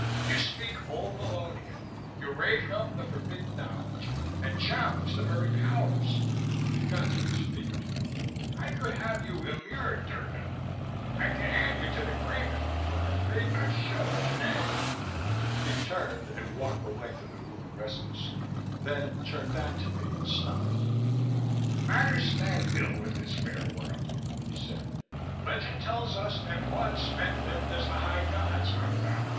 "You speak Old Vallonian, you rake up the forbidden knowledge, and challenge the very Powers...." He got to his feet. "I could have you immured, Drgon. I could hand you to the Greymen, for a fate I shudder to name." He turned and walked the length of the room restlessly, then turned back to me and stopped. "Matters stand ill with this fair world," he said. "Legend tells us that once men lived as the High Gods on Vallon.